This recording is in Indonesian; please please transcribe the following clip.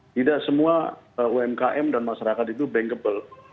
karena tidak semua umkm dan masyarakat itu bankable